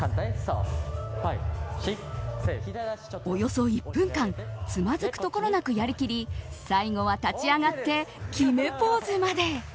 およそ１分間つまずくところなく、やりきり最後は立ち上がって決めポーズまで。